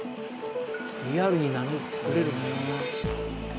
リアルに波作れるんだ。